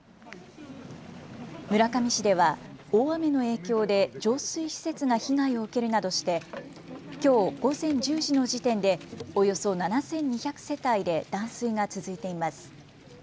村上市では大雨の影響で浄水施設が被害を受けるなどしてきょう午前１０時の時点でおよそ７２００世帯で断水が続いています。